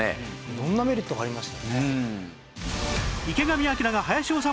色んなメリットがありましたね。